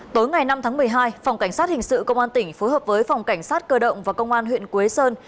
tối ngày năm tháng một mươi hai phòng cảnh sát hình sự công an tỉnh phối hợp với phòng cảnh sát cơ động và công an huyện quế sơn